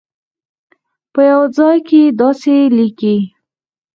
په یوه ځای کې داسې لیکي.